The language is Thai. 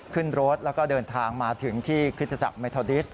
ขึ้นรถแล้วก็เดินทางมาถึงที่คริสตจักรเมทอดิส